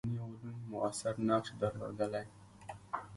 په تېره بیا انساني علوم موثر نقش درلودلی.